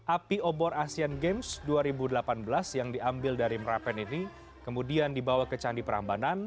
api obor asian games dua ribu delapan belas yang diambil dari merapen ini kemudian dibawa ke candi perambanan